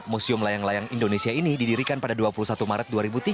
museum layang layang indonesia ini didirikan pada dua puluh satu maret dua ribu tiga belas